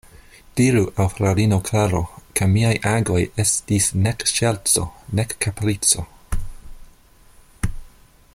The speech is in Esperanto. Diru al fraŭlino Klaro, ke miaj agoj estis nek ŝerco, nek kaprico.